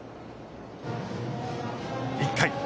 １回。